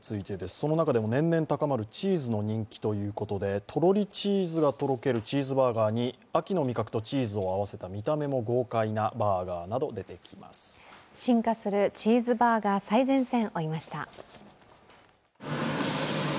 その中でも年々高まるチーズの人気ということでとろりチーズがとろけるチーズバーガーに秋の味覚とチーズを合わせた見た目も豪快な進化するチーズバーガー最前線、追いました。